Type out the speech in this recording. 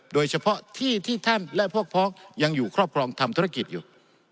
โดยเฉพาะที่ที่ท่านและพวกพ้องยังอยู่ครอบครองทำธุรกิจอยู่